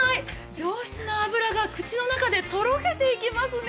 上質な脂が口の中でとろけていきますね。